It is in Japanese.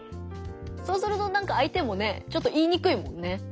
そうするとなんか相手もねちょっと言いにくいもんね。